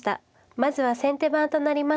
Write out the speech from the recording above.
まずは先手番となりました